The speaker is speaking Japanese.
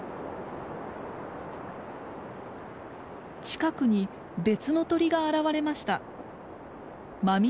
近くに別の鳥が現れました。